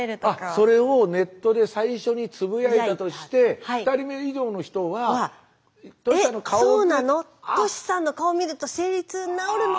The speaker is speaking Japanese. それをネットで最初につぶやいたとして２人目以上の人はトシさんの顔って。